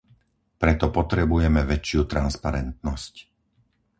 Preto potrebujeme väčšiu transparentnosť.